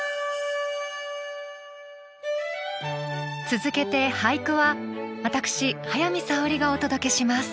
続けて俳句は私早見沙織がお届けします。